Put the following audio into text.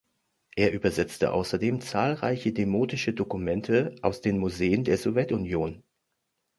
Er übersetzte außerdem zahlreiche demotische Dokumente aus den Museen der Sowjetunion.